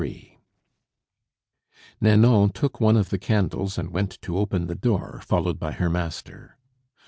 III Nanon took one of the candles and went to open the door, followed by her master.